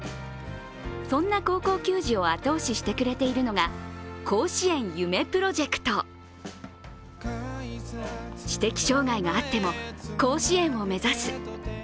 そんな高校球児を後押ししてくれているのが、甲子園夢プロジェクト知的障害があっても甲子園を目指す。